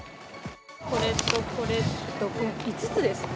これとこれと、５つですね。